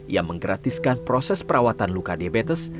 yang menggratiskan proses perawatan luka diabetes